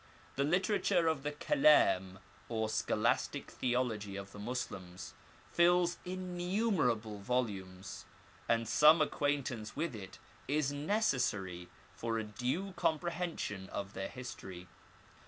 The literature of the kaldm, or scholastic theology of the Moslems, fills innumerable volumes, and some acquaint ance with it is necessary for a due comprehension of their history.